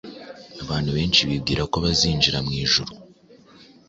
Abantu benshi bibwira ko bazinjira mwijuru